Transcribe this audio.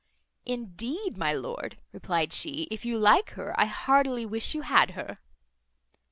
"Indeed, my lord," replied she, "if you like her, I heartily wish you had her."